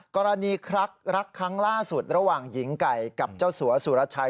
รักรักครั้งล่าสุดระหว่างหญิงไก่กับเจ้าสัวสุรชัย